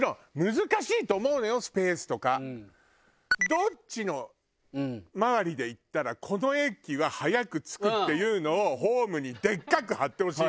「どっち回りで行ったらこの駅は早く着く」っていうのをホームにでっかく貼ってほしいのよ。